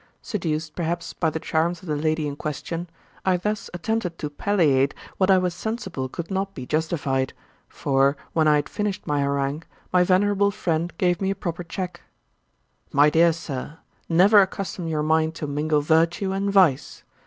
Seduced, perhaps, by the charms of the lady in question, I thus attempted to palliate what I was sensible could not be justified; for when I had finished my harangue, my venerable friend gave me a proper check: 'My dear Sir, never accustom your mind to mingle virtue and vice.